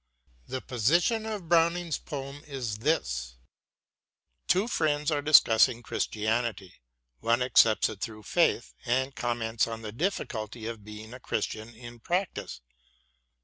The position in Browning's poem is this: Two friends are discussing Chris tianity. One accepts it through faith, and comments on the difficulty of being a Christian in practice.